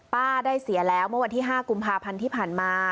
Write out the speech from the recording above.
ได้เสียแล้วเมื่อวันที่๕กุมภาพันธ์ที่ผ่านมา